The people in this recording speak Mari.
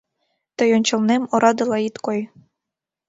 Тый ончылнем орадыла ит кой.